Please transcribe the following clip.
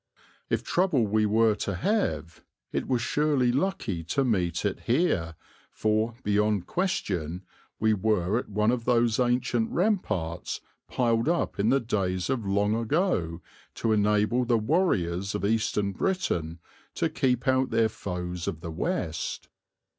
If trouble we were to have it was surely lucky to meet it here for, beyond question, we were at one of those ancient ramparts piled up in the days of long ago to enable the warriors of Eastern Britain to keep out their foes of the West.